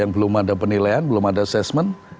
belum ada penilaian belum ada assessment